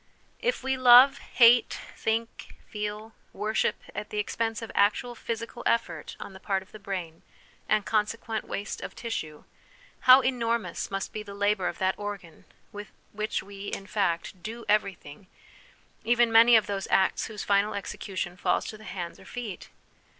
If we love, hate, think, feel, worship, at the expense of actual physical effort on the part of the brain, and consequent waste of tissue, how enormous must be the labour of that organ with which we, in fact, do everything, even many of those acts whose final execution falls to the hands or feet